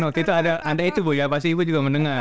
waktu itu ada itu bu ya pasti ibu juga mendengar